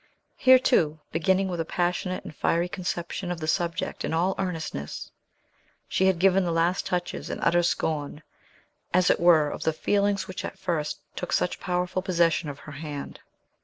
Here, too, beginning with a passionate and fiery conception of the subject in all earnestness, she had given the last touches in utter scorn, as it were, of the feelings which at first took such powerful possession of her hand.